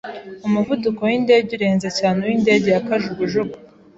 Umuvuduko windege urenze cyane uw'indege ya kajugujugu.